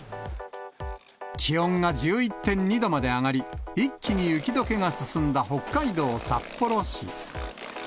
気温が１１．２度まで上がり、一気に雪どけが進んだ北海道札幌市。